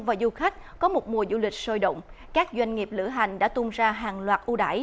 và du khách có một mùa du lịch sôi động các doanh nghiệp lửa hành đã tung ra hàng loạt ưu đải